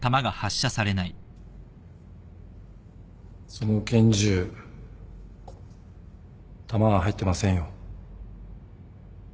その拳銃弾は入ってませんよ。